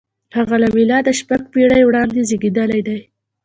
• هغه له مېلاده شپږ پېړۍ وړاندې زېږېدلی دی.